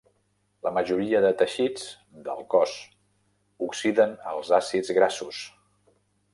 La majoria de teixits del cos oxiden els àcids grassos.